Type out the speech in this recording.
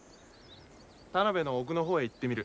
田辺の奥の方へ行ってみる。